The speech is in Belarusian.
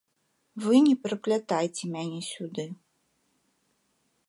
Вы не прыплятайце мяне сюды.